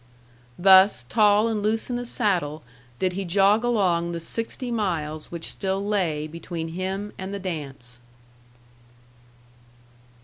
Thus, tall and loose in the saddle, did he jog along the sixty miles which still lay between him and the dance.